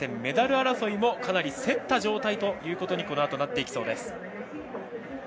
メダル争いも、かなりせった状態となっていきそうです。